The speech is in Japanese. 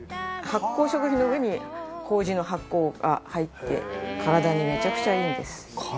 発酵食品の上に麹の発酵が入って体にめちゃくちゃいいんです。